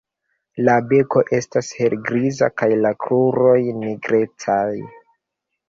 La beko estas helgriza kaj la kruroj nigrecaj.